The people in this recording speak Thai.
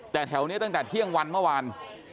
แต่แถวนี้ตั้งแต่เที่ยงวันเมื่อวาน